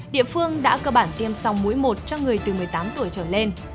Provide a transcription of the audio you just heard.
địa phương đã cơ bản tiêm song mũi một cho người từ một mươi tám tuổi trở lên